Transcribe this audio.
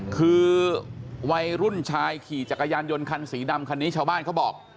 คือวัยรุ่นชายขี่จักรยานยนต์คันสีดำคันนี้ชาวบ้านเขาบอก